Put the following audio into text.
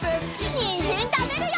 にんじんたべるよ！